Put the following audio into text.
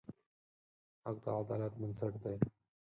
حق د عدالت بنسټ دی.